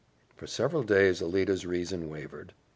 For several days Alida's reason wavered.